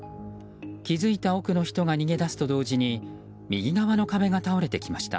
気づいた奥の人が逃げ出すと同時に右側の壁が倒れてきました。